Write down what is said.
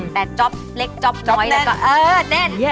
แต่จอบเล็กจอบน้อยแล้วก็แน่น